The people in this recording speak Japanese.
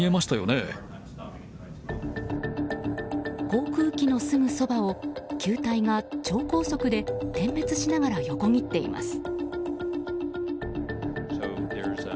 航空機のすぐそばを球体が超高速で点滅しながら横切っています。